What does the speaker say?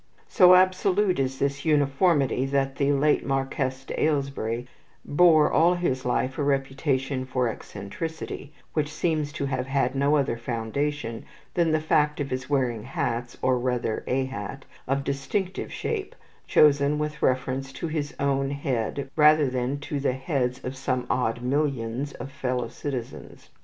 So absolute is this uniformity that the late Marquess of Ailesbury bore all his life a reputation for eccentricity, which seems to have had no other foundation than the fact of his wearing hats, or rather a hat, of distinctive shape, chosen with reference to his own head rather than to the heads of some odd millions of fellow citizens.